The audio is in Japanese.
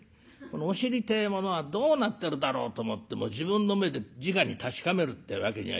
お尻ってえものはどうなってるだろうと思っても自分の目でじかに確かめるってわけにはいかない場所ですね。